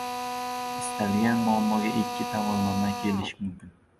• Istalgan muammoga ikki tomondan kelish mumkin.